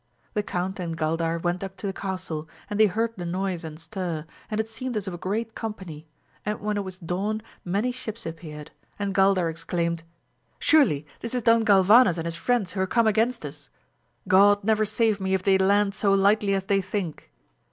The Count and Gaidar went up to the castle, and they heard the noise and stir, and it seemed as of a great company, and when it was dawn many ships appeared, and Gaidar exclaimed, Surely this is Don Galvanes and his friends who are come against us ; God never save me if they land so lightly as they think